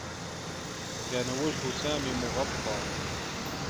كان وجه سامي مغطّى.